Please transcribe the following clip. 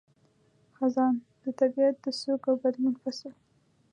خزان – د طبیعت د سوګ او بدلون فصل